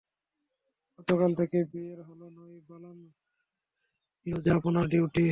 গতকাল থেকে বিয়ের হল নয়, বালান লজে আপনার ডিউটি।